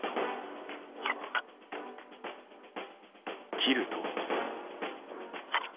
切ると。